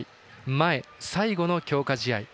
前最後の強化試合。